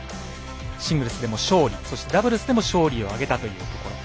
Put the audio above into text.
シングルスでも勝利ダブルスでも勝利を挙げたということで。